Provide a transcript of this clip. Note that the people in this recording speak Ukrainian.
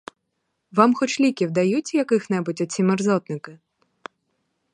Вам хоч ліків дають яких-небудь оці мерзотники?